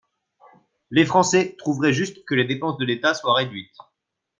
Les Français trouveraient juste que les dépenses de l’État soient réduites.